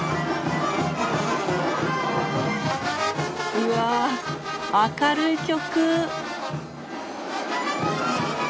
うわ明るい曲！